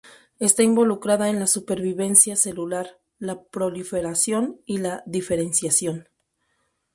Está involucrada en la supervivencia celular, la proliferación y la diferenciación.